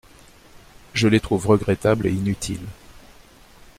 Je les trouve regrettables et inutiles.